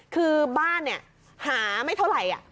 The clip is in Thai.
คือบ้านเนี่ยหาไม่เท่าไหร่